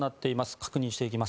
確認していきます。